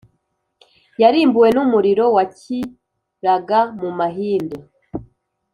yarimbuwe n’umuriro wakiraga mu mahindu,